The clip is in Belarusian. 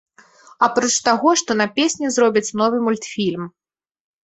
Апроч таго, што на песню зробяць новы мультфільм.